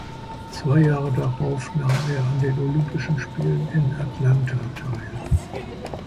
Zwei Jahre darauf nahm er an den Olympischen Spielen in Atlanta teil.